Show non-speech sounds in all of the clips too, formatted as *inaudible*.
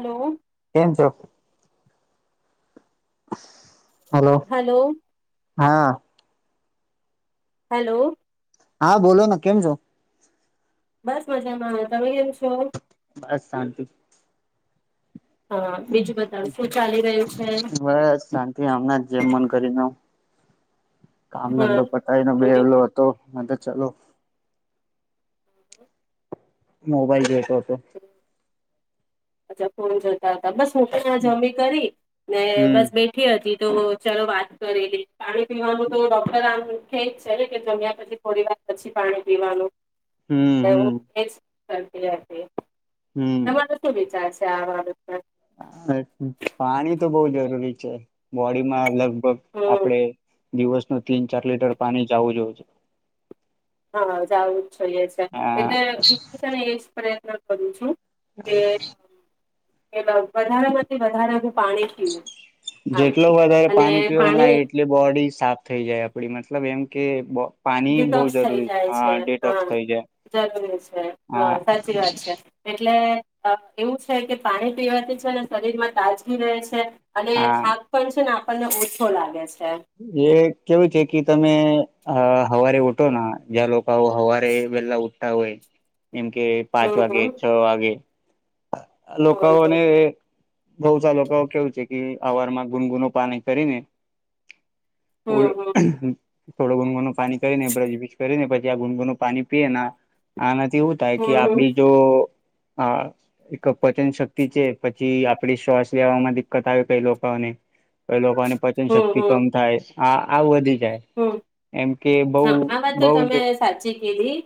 Hello. કેમ છો? હ. હલો. હા. હેલો. હા, બોલોના કેમ છો? બસ, મજામાં હવે. તમે કેમ છો? બસ, શાંતિ. હા બીજું બતાવ શું ચાલી રહ્યું છે બસ, શાંતિ. હમણાં જમન કરીને આઉં કામ હા ધંધો પતાાઈ ને, બેહેલો હતો. *inaudible* ચાલો મોબાઈલ જોઈતો તો અચ્છા, ફોન જોતા હતા, બસ. છૂક ના, જમી કરી ને, હમ બસ બેઠી હતી. તો, ચાલો વાત કરે લે. પાણી પીવાનું તો, ડોક્ટર આમ ખે જ છે કે, જમ્યા પછી, થોડી વાર પછી, પાણી પીવાનું. હમ હમ એવું કેજ કરતી હશે. તમારો શું વિચાર શ ચા વા ઉપર આહ *inaudible* પાણી તો બહુ જરૂરી છે. બોડીમાં, મતલબ તો હમ આપડે દિવસ ના, તીન ચાર લીટર પાણી, જાવું જોય જે. હા, જવું જ જોઈએ છે, હા એટલે *inaudible* પ્રયત્ન કરું છું. હાલ એ, વાવ વધારે માંથી વધારે નું પાણી પીઉં. જેટલો વધારે પાણી પીવ ના એટલી બોડી સાફ થઈ જાય, આપડી મતલબ એમ કે બો વિપક્ષ થઈ જાય છે. હા થઈ જાય. જરૂરી છે, હા સાચી વાત છે, એટલે એવું છે કે પાણી પીવાથી છે, ને શરીર માં તાજગી રહે છે. અને હા થાક પણ છે. મને ઓછો લાગે છે. એ કેવું છે કે તમે અ હવારે ઉઠો ના જ્યાં લોકો હવારે એવેલા ઉ તાવે એમ કે પાંચ હમ વાગે હમ છ વાગે. લોકા હમ ઓને બઉ ચાલોકો કેવું છે કે અવારમાં ગુનગુનો પાણી કરીને ઉલ હમ થોડો ગુનગુું પાણી કરીને બ્રજબિશ કરીને પછી આ ગુનગુ નું પાણી પીએ ને આ એવું થાય હમ કે હમ હમ આપડી જો હા એક પચન શક્તિ છે પછી આપડી શ્વાસ લેવામાં દિકકત આવે કઈ લોકોને ક પા પાચન શક્તિ. હા આવ વધી જાય હમ્મ, એમ કે બઉ હા આ વાત તો બઉ તમે જ સાચી કીધી.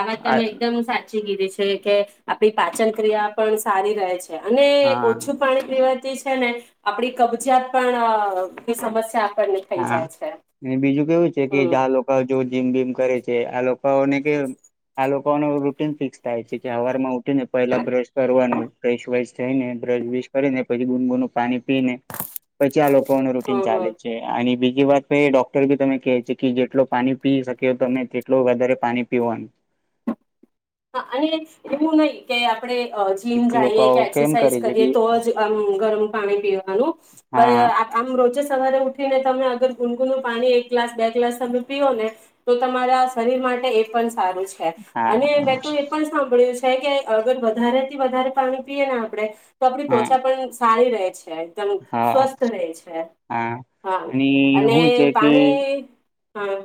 આ વાત તમે એકદમ સાચ ચીધ છે કે આપણી પાચન ક્રિયા પણ સારી રહે છે. અને હા ઓછું પાણી પીવા ને આપણી કબજીયાત પણ કોઈ સમસ્યા ને થઈ હા જાય છે. અને બીજું કેવું છે, કે હમ જ્યાં લોકો જો જીમ બીમ કરે છે, આ લોકોને કે આ લોકોને રૂટીન ફિક્સ થાય છે કે સવાર માં ઉઠી ને પેલા બ્રશ કરવાનું બ્ર વાસ થઈને બ્રશ બશ કરીને પછી ગુનગુ પાણી પીને પછી આ લો કોઈ નુ રૂટીન હમ હમ ચાલે છે. અને બીજી વાત ડોક્ટર બી તમે કે છે, કે જેટલો પાણી પી શકેયો તમે તેટલો વધારે પાણી પીવાનું હા અને હ હું નઈ કે આપણે જીમ જઈએ લોકો કે કેમ એક્સરસાઇઝ કરે છે કરીએ કે તો જ આમ ગરમ પાણી પીયો પર હા આમ રોજ સરે ઉઠીને તમે અગર ગુનગુ નું પાણી એક ગ્લાસ બે ગ્લાસ તમે પીઓ ને તો તમારા શરીર માટે એ પણ સારું છે અને હા સાંભળ્યું છે કે અગર વધારે થી વધારે પાણી પીએ ને આપણે તો આપણે હા તોચા પણ સારી રહે છે એકદમ હા સ્વસ્થ રહે છે હા હા અને અને હું છે કે પાણી હા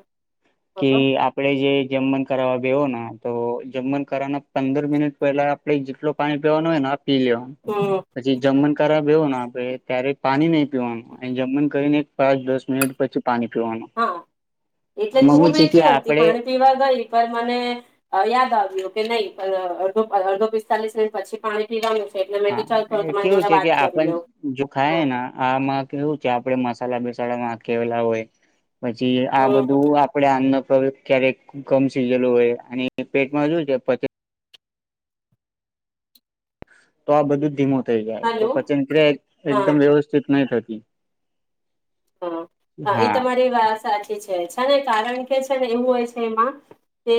કે બોલો આપડે જે જમણ કરવા બેવો ને તો જમણ કરવાના પંદર મિનિટ પહેલા આપડે જેટલલો પાણી પીવાનું હોય પી લ હમ પછી જમણ કર વ આપે ત્યારે પાણી નહી પીવાનું જમીને કરીને એક પાંચ દસ મિનિટ પછી પાણી પીવાનું હા એટલે આમાં તું હું છે કે બેઠી હતી હતી આપડે પાણી પીવા ગઈ પણ મને યાદ આવ્યું કે નહી પણ અડધો અડધો પિસ્તાલીસ મિનિટ પછી પાણી પીવા હા એ કેવું છે કે આપણ લઉં જો હા ખાય આમાં કેવું છે આપડે મસાલા બે માં કેલા હોય પછી આ હમ બધું આપડે આમ ક્યારેક ગમ સીઝેલું હોય અને પેટમાં શુ છે પ તો આ બધું ધીમો થ જાય તો હલો પચન ક્રિયા હા એકદમ વ્યવસ્થિત નહીતી કેન હા હા એ તમારી વાત સાચી છે જ ને કારણ કે છે ને એવું હોય છે એમાં કે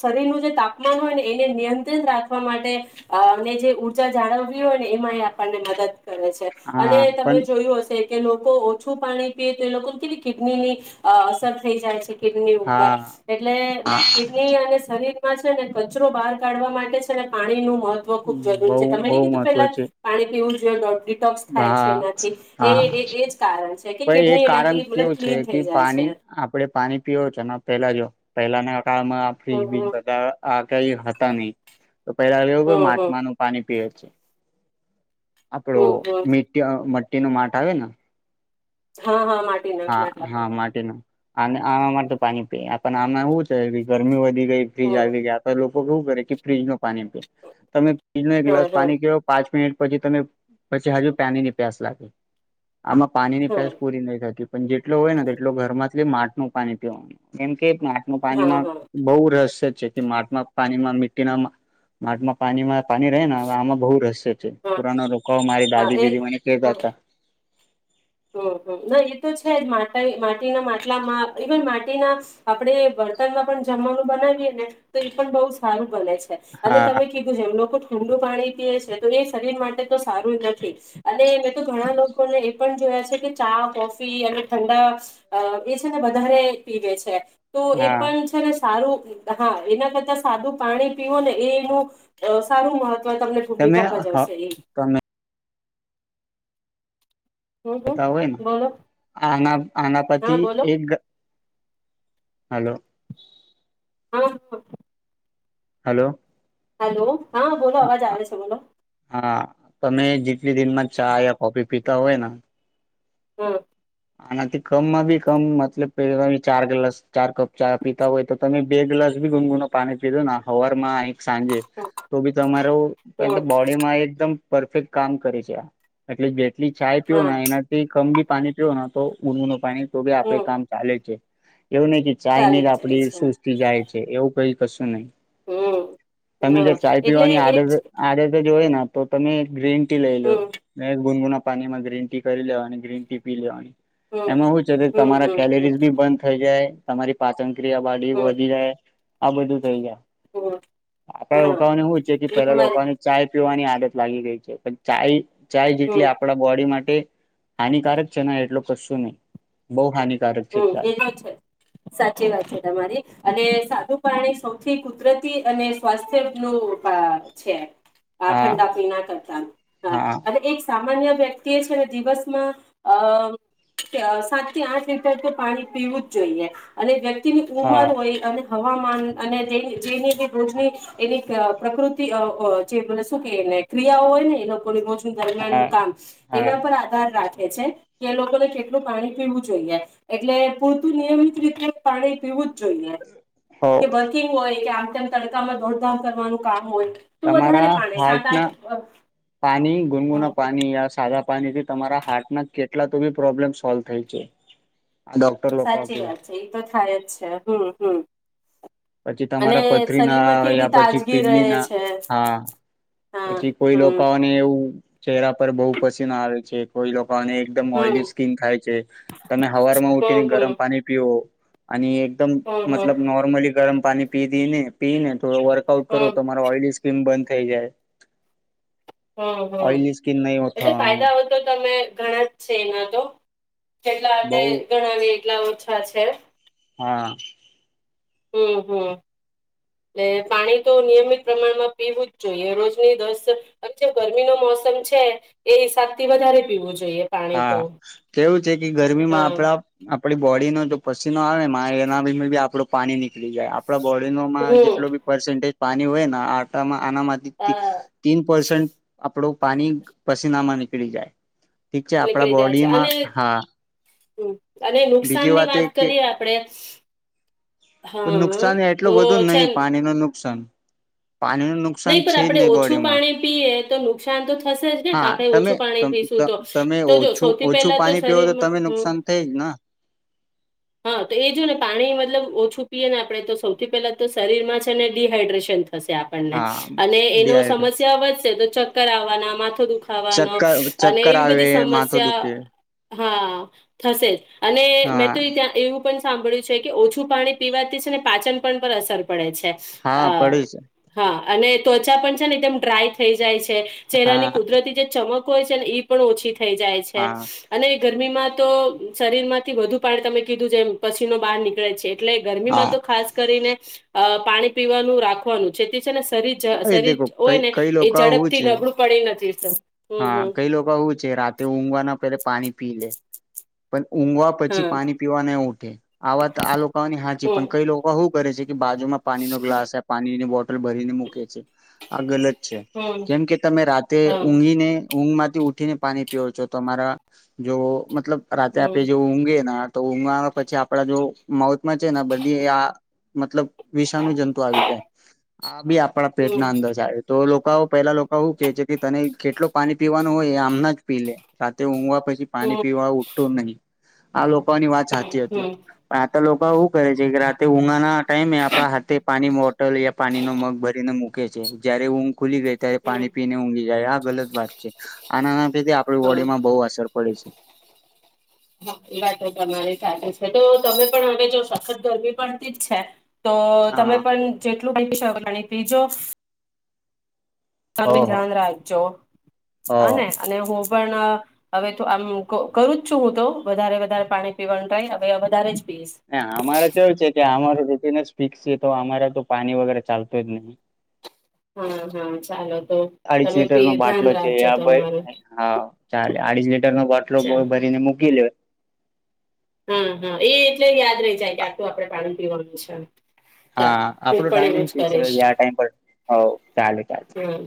શરીરનું જે તાપમાન હોય ને એને નિયંત્રિત રાખવા માટેને જે ઉઊર્જા જાળવવી હોય ને એમાં એ આપણને મદદ કરે છે અને હા તમે પણ જોયું હશે કે લોકો ઓછ ું પાણી પીએ તો એ લોકોને કેવી કિડની ની અસર થઈ જાય છે કિડની ઉપર હા એટલે હા કિડની અને શરીર છે ને કચરો બહાર કાઢવા માટે છે ને પાણી નું મહત્વ ખુબ જુર બહુ છે તમે બહુ કીધું મહત્વ પેલા છે પાણી પીવું જગ ડિટોક્સ થાય છે હા એનાથી એ હા એ જ કારણ છે કે પણ એ કિડની કારણ એનાથી મતલબ કેવું છે ક્લીન કે થઈ જાય છે. પાણી આપડે પાણી પીવ છે પેલા જો પહેલા ને કળમાં હમ ફ્ર્રીજ બીજ હમ બાર કઈ હતા ની તો પેલા એવું હમ માટમાનું પાણી પીએ છે. આપડો હમ હમ હમ મીટય મ ટી ન માટ આવે ના હા હા માટીના હા માટલા હા પર માટીનું આ આમાંમાં તો પાણી પી પણ આમાં એવુ છે ગરમી વધી ગઈ ફિજ હમ આવી ગયા હતા લો કો કેવું કરે કે ફ્રીજ નું પાણી પી તમે ફિજ નો એક ગલાસ હા હા પાણી કે પાંચ મી પછી તમે પછી હજુ પાનીની પ્યાસ લાગી આમાં પાણી ની હા પેસ પૂરી નહી થતી પણ જેટલો હોય ને તેટલો ઘર માંથી માટ નું પાણી પીવાનું એમ કે માટનું હા પાણીમાં હા બોવ રસ જેથી માટમાં પાણીમાં મીટીના માટમાં પાણીમાં પાણી રહે ને આમાં બહુ રસ છે હા પુરાનો રોકા મારી હા દાદી એ બીદી મને હા કેતા હતા. હમ હમ ના એ તો છે જ માટે માટીના માટલામાં ઇવન માટીના આપણે બર્તનમાં પણ જમવાનું બનાવીએ ને તો એ પણ બહ સારું ભલે છે અને હા તમે કીધું જેમ લોકો ઠંડુ પાણી પીએ છે તો એ શરીર માટે તો સારું નથી અને મેં તો ઘણા લોકોને એ પણ જોયા છે કે ચા કોફી અને ઠંડા અ એ છે ને વધારે પીવે છે. તો એ હા પણ છે ને સારું હા એના કરતા સાદું પાણી પીવો ને એનું અ સારું મહ ત્વ તમને તમે ભૂમિકા હ ભજવશે એ તમે હમ હમ બતા હોય ને બોલો આના આના હા પથી બોલો એક હાલો હા હા હાલો હાલો હા તમે જેટલી દિનમાં ચા યા કોફી પી તવેના હમ આનાથી કમમાં ભી કમ મતલબે *unintelligible* ચાર ગ્લાસ ચાર કપ ચા પીતા હોય તો તમે બે ગ્લાસ ભી ગુનગુનો પાણી પીધો હવાર માં સાંજે તો બી તમારો હમ બોડી માં એકદમ પરફેક્ટ કામ કરે છે આ એટલે લી ચાય પીઓ હા ને એનાથી કમ્પલી પાણી પીઓ ને તો મનવુનો પાણી તો કે આપે હમ કામ ચાલે છે. એવું નઈ કે ચાલે ચાઇનીઝ જ ચાલે આપડી છે સુસ્તી જાય છે એવું કઈ હશું નહી. હમ તમે હા જે ચાઈ એટલે પીવાની આદત એજ આદત તો જોયે ને તો તમે ગ્રી ટી લઈ લો હમ અને ગુનગુના પાણી માં ગ્રીન ટી કરી લેવાની ગ્રીન ટી. પી લેવાની. હમ એમાં શું છે હમ તમારા હમ હમ કેલરીઝ બી બંધ થઈ જાય તમારી પાચન ક્રિયા બાડી હમ વધી જાય. આ બધું થઈ જાય. હમ આપડા હા લોકોને શું છે કે એ પેલા તમારે લોકોને ચાય પીવાની આ લત લાગી રહી છે પણ ચાય ચાય જેટલી હમ આપણા બોડી મા ટે હાનિકારક છે એટલું કશું નહી, બહુ હાની હમ્મ, એ તો છે સાચી વાત છે તમારી અને સાદું પાણી સૌથી કુદરતી અને સ્વાસ્થ્યનું અ છે. આ હા ઠંડા પીણા કરતા હા ને એક સા સામાન્ય વ્યક્તિ એ છે ને દિવસમાં અ સાત થી આઠ ટર પાણી પીવું જ જોઈએ અને જેમ ની હા ઉમર હોય અને હવામાન અને જેની જે ભોજની એની અ પ્રકૃતિ જે અ અ શું કેને ક્રિયાઓ હોય ને એ લોકોનીજ દરમિયાન હા નું કામ હા એના પર આધાર રાખ. ખે છે કે એ લોકોને કેટલું પાણી પીવું જોઈએ. એટલે પૂરતું નિયમિત રીતે પાણી પીવું જોઇએ હો કે વર્કિંગ હોય કે આમ તેમ તડકામાં દોડધામ કરવાનું કામ હોય તું વધારે પાડ સાત આઠ અ પાની ગુનગુણ અ પાની સા ખારા પાણીથી તમારા હાર્ટના કેટલા તોબી પ્રોબ્લેમ સોલ્વ થાય છે. આ ડોક્ટર લોકો સાચી કે વાત છે ઈ તો થાય જ છે હમ હમ પછી અને તમારા પથરી શરીરમાં ના કેવી યા પછી તાજગી રહે કીડની ના છે હા હા પછી કોઈ હમ લોકોને એવું ચહેરા પર બહુ પસીનો આવે છે કોઈ એકદમ હમ ઓઈલી સ્કીિન થાય છે તમે હવારમાં ઉઠીને હમ ગરમ હમ પાણી પીઓ અને એક એકદમ હમ હમ મતલબ નોર્મલી ગરમ પાણી પી દઈ ને પી ને તો વર્કઆઉટ કરો તો હમ તમારા ઓયલી સ્કીન બંધ થઈ જાય. હમ હમ ઓઈલી સ્કીન નહી એટલે થવાનું ફાયદા હોય તો તમે ગણા જ છે એમાં તો કેટલા બઉ આપણે ગણાવીએ એટલા અ છે. હા હમ હમ એ પાણી તો નિયમિત પ્રમાણમાં પીવું જ જોઈએ રોજની દસ જે ગરમીનો મોસમ છે એ હિસાબથી વધારે પીવું જોઈએ. પાણી હા તો કેવું છે કે ગરમીમાં હા આપડા આપડી બોડીનો પછીનો આવે મા એના બી આપડું પાણી નીકળી જાય. આપણા બોડીનોમાં હમ જેટલો બી પર્સેન્ટેજ પાણી હોયને આટામાં આનામાંથી હા તીન પરસન્ટ આપણો પાણી પસીનામાં નીકળી જાય. ઠીક છે આપડા બોડીમાં હા હમ અને નુકસાનની વાત કરીએ આપડે તો હા નુકસાન તો એટલું બધુ છે નહી પાણીનું નુકસાન પાણીનું નહી નુકસાન પણ છે જ આપણે ઓછું બોડીમાં પાણી પીએ તો નુકસાન તો થશે જ ને પા હા આપણે તમે ઓછું પાણી પીશું તો તમે તો જો ઓછું સૌથી ઓછું પહેલા તો પાણી પીવો શરીરમાં તમે હમ નુકસાન થઈ જ ને હા તો એ જો ને પાણી મતલબ ઓછું આપીએ ને આપણેે તો સૌથી પેલા તો શરીરમાં છે ને ડિહાાઈડ્રેશન થશે. હા અને એનો ડિહાઈડ્રેટ સમસ્યા વધશે તો કરવાના માથું દુઃખ ચક્કર ચક્કર આવે માથું સમસ્યા દુખે હા થશે જ અને મેં હા તો ત્યાં એવું પણ સાંભળ્યું છે, કે ઓછું પાણી પીવાથી છે, ને પાચન પણ પર અસર. પડે છે હા આ *inaudible* હા અને ત્વચા પણ છે, ને એકદમ ડ્રાય થઈ જાય છે. ચહેરાની હા કુદરતી જે ચમક હોય છે, *unintelligible* પણ ઓછી થઈ જાય છે હા અને ગરમીમાં તો શરીર માંથી વધુ પાણી તમે કીધું જેમ પછી ન બહાર નીકળે છે. એટલે ગરમીમાં હા તો ખાસ કરીને અ પાણી પીવાનું રાખવાનું. *inaudible* ને *unintelligible* એ શરીર દેખો હોય કઈ ને કઈ એ લોકો ઝડપ હું થી છે નબળું પડી નથી. *inaudible* હા હમ કઈ લોકો આવું છે રાતે ઊંઘવાના પેલે પાણી પી લે *inaudible* ઊંઘવા પછી હા પાણી પીવા નહી ઉઠે આ વાત આ લોકોની હાચી પણ હમ કઈ લોકો શું કરે છે કે બાજુ માં પાણી નો ગ્લાસ પાણીની બોટલ ભરીને મૂકે છે આ ગલત *unintelligible* હમ કેમ કે તમે રાતે હા હમ ઊંઘીને ઊંઘ માંથી ઉઠીને પાણી પીવો છો તમારા જોવો મતલબ રાતેે આપડે હમ જો ઊંઘે ને તો *unintelligible* પછી આપડા જો માઉથમાં છે ને બધી આ મતલબ *unintelligible* જંતુ આવી જાય આ બી આપણા હમ પેટ ના અંદર તો *unintelligible* પેલા લોકો *unintelligible* કે છે કે તને કેટલો પાણી પીવાનું હોય એ *unintelligible* જ પી લે સાથે હ પછી હમ પાણી પીવાઠ હમ હમ આ *unintelligible* *inaudible* લોકો આવું કરે છે કે રાતે ઉનાના ટાઈમે આપણા હાથે પાની બોટલ યા પાણી ન મગ ભરીને મૂકે. ખુલી ગઈ ત્યારે હમ પાણી પીને ઊંઘી જાય આ ગલત વાત છે આના ના આપણી હા બોડી માં બહુ અસર પડે છે. હા એ વાતો તમારી *unintelligible* છે, તો તમે પણ હવે જો સખત ગરમી પડતી જ છે. તો તમે હા પણ જે *inaudible* ઓહો *inaudible* હા ને હો અને હું પણ હવે તો આમ કરું જ છું, હું તો વધારે વધારે પાણી પીવાનું ટ્રાય હવે વધારે પીશ અમારે કેવું છે કે અમારું *unintelligible* છે તો અમારા તો પાણી વગેરે ચાલતો જ નહીં હા હા ચાલો તો અડીસ તમે લીટર પી નો ધ્યાન બાટલો છે રાખજો આ તમારું ભય હા ચાલે અડીસ લીટર નો બાટલો ભરીને મૂકી લેવા હમ હમ એ એટલે યાદ રહી જાય કે આટલુ આપડે પાણી પીવાનું છે. ચાલો હું હા આપણો પણ એવું ટાઈમીગ જ ફીક્સ કરીશ રહી જાય આ ટાઈમ પર અ ચાલે ચા હા